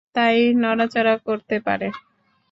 তাই নড়াচড়া করতে পারে।